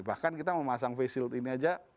bahkan kita memasang face shield ini aja